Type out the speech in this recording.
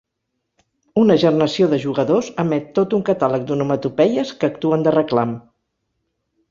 Una gernació de jugadors emet tot un catàleg d'onomatopeies que actuen de reclam.